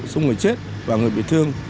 xung người chết và người bị thương